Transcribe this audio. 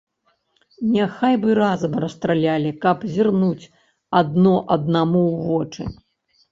Няхай бы разам расстралялі, каб зірнуць адно аднаму ў вочы.